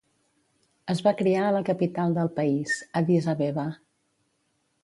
Es va criar a la capital del país, Addis Abeba.